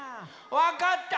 わかった！